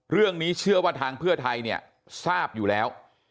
เรื่องนี้เชื่อว่าทางเพื่อไทยเนี่ยทราบอยู่แล้ว